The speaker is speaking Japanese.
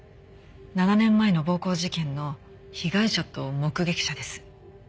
７年前の暴行事件の被害者と目撃者です。